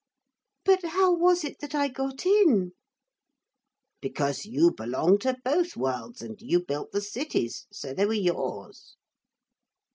'But how was it that I got in?' 'Because you belong to both worlds. And you built the cities. So they were yours.'